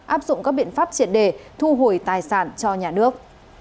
áp dụng các biện pháp triệt đề thu hồi tài sản cho nhà nước